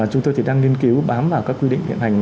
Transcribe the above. chúng tôi thì đang nghiên cứu bám vào các quy định hiện hành